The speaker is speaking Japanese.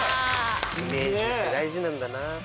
イメージって大事なんだな。